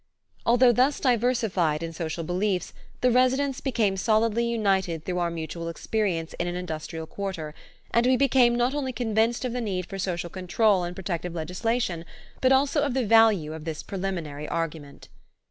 Although thus diversified in social beliefs, the residents became solidly united through our mutual experience in an industrial quarter, and we became not only convinced of the need for social control and protective legislation but also of the value of this preliminary argument.